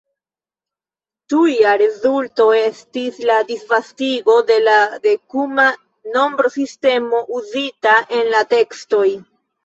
Tuja rezulto estis la disvastigo de la dekuma nombrosistemo uzita en la tekstoj.